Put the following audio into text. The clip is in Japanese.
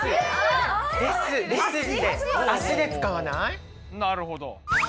なるほど。